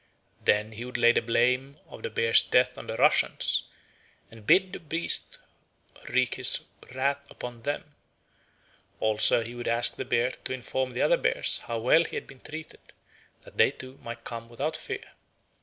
Then he would lay the blame of the bear's death on the Russians, and bid the beast wreak his wrath upon them. Also he would ask the bear to inform the other bears how well he had been treated, that they too might come without fear.